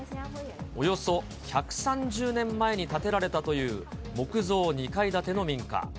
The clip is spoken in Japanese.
およそ１３０年前に建てられたという木造２階建ての民家。